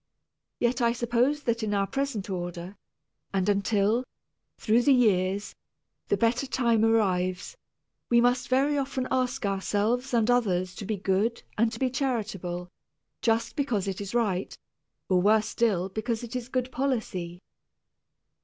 Yet I suppose that in our present order, and until, through the years, the better time arrives, we must very often ask ourselves and others to be good and to be charitable, just because it is right, or worse still because it is good policy.